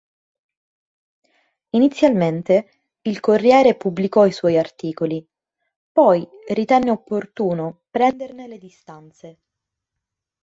Inizialmente il Corriere pubblicò i suoi articoli; poi ritenne opportuno prenderne le distanze.